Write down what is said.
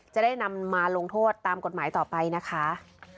จะได้นำมาลงโทษตามกฎหมายต่อไปนะคะ